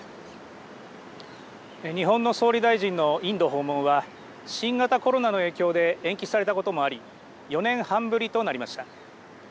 日本の総理大臣のインド訪問は新型コロナの影響で延期されたこともあり４年半ぶりとなりました。